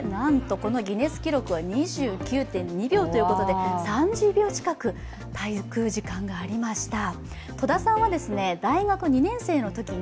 このギネス記録は２９．２秒ということで３０秒近く滞空時間がありました。